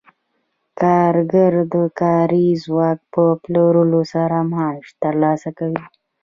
کارګر د کاري ځواک په پلورلو سره معاش ترلاسه کوي